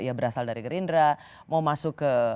ya berasal dari gerindra mau masuk ke